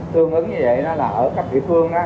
tương ứng như vậy là ở các địa phương